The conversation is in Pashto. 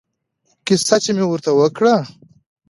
کيسه چې مې ورته وکړه.